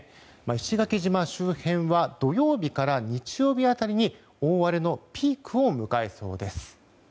石垣島周辺は土曜日から日曜日辺りに大荒れのピークを迎えそうです。